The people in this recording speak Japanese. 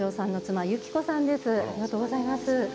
ありがとうございます。